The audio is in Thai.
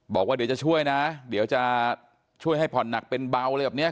บอกว่าเดี๋ยวจะช่วยนะเดี๋ยวจะช่วยให้ผ่อนหนักเป็นเบาอะไรแบบนี้